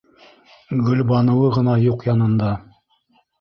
Гөлбаныуы ғына юҡ янында.